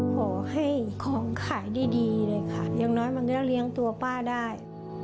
ขอให้ของขายดีเลยค่ะอย่างน้อยมันก็เลี้ยงตัวป้าได้